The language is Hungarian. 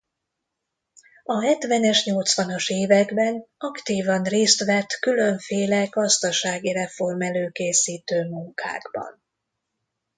A hetvenes-nyolcvanas években aktívan részt vett különféle gazdasági reform-előkészítő munkákban.